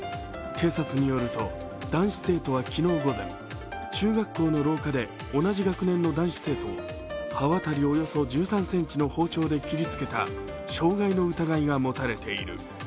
警察によると、男子生徒は昨日午前中学校の廊下で同じ学年の男子生徒を刃渡りおよそ１３ｃｍの包丁で切りつけた傷害の疑いが持たれている。